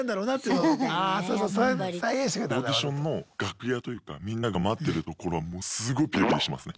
オーディションの楽屋というかみんなが待ってるところはすごいピリピリしてますね。